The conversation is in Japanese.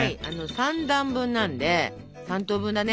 ３段分なんで３等分だね。